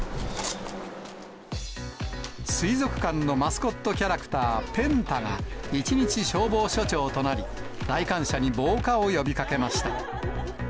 水族館のマスコットキャラクター、ペン太が、一日消防署長となり、来館者に防火を呼びかけました。